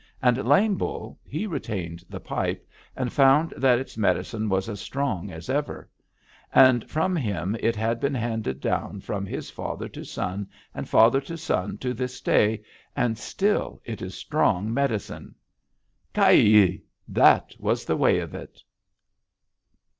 "And Lame Bull, he retained the pipe, and found that its medicine was as strong as ever. And from him it had been handed down from father to son and father to son to this day, and still it is strong medicine. "Kyi! That was the way of it."